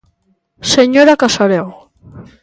Señora Casarego.